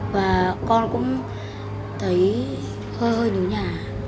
và con cũng thấy hơi hơi nhớ nhà